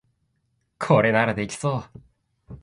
これならできそう